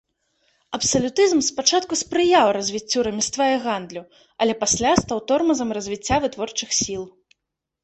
Абсалютызм спачатку спрыяў развіццю рамяства і гандлю, але пасля стаў тормазам развіцця вытворчых сіл.